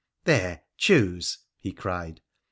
'There, choose!' he cried.